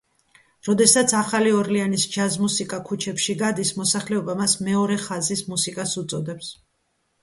როდესაც ახალი ორლეანის ჯაზ მუსიკა ქუჩებში გადის, მოსახლეობა მას „მეორე ხაზის“ მუსიკას უწოდებს.